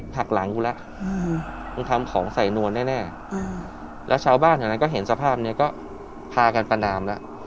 หักหลังกูแล้วมึงทำของใส่นวลแน่แล้วชาวบ้านแถวนั้นก็เห็นสภาพนี้ก็พากันประนามแล้ว